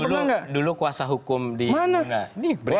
pernah nggak dulu kuasa hukum di muna